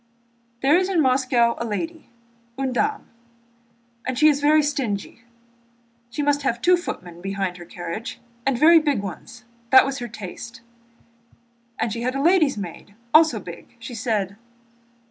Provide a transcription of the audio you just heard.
"There is in Moscow a lady, une dame, and she is very stingy. She must have two footmen behind her carriage, and very big ones. That was her taste. And she had a lady's maid, also big. She said...."